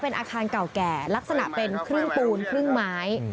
เป็นอาคารเก่าแก่ลักษณะเป็นครึ่งปูนครึ่งไม้